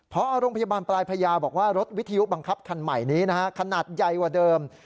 พอโรงพยาบาลปลายพญาบอกว่ารถวิทยุบังคับคันใหม่นี้นะฮะขนาดใหญ่กว่าเดิม